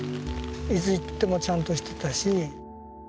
いつ行ってもちゃんとしてたし。